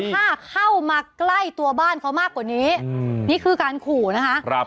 ถ้าเข้ามาใกล้ตัวบ้านเขามากกว่านี้นี่คือการขู่นะคะ